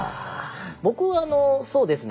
僕はあのそうですね